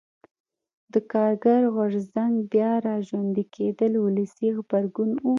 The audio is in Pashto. د کارګر غورځنګ بیا را ژوندي کېدل ولسي غبرګون و.